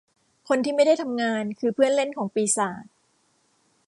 คนที่ไม่ได้ทำงานคือเพื่อนเล่นของปีศาจ